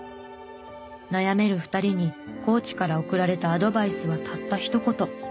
悩める２人にコーチから送られたアドバイスはたったひと言。